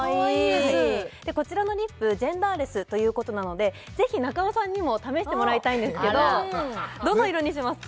でこちらのリップジェンダーレスということなのでぜひ中尾さんにも試してもらいたいんですけどどの色にしますか？